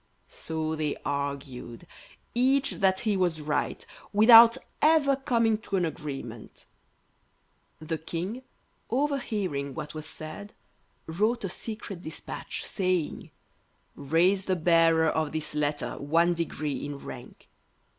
So they argued, each that he was right, without ever coming to an agreement. The King, overhearing what was said, wrote a secret despatch, saying, "Raise the Bearer of this letter one degree in rank."